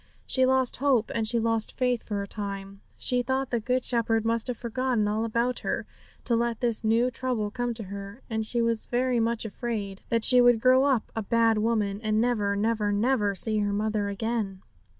She lost hope and she lost faith for a time. She thought the Good Shepherd must have forgotten all about her, to let this new trouble come to her. And she was very much afraid that she would grow up a bad woman, and never, never, never see her mother again.